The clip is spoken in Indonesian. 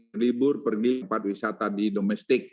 berlibur pergi tempat wisata di domestik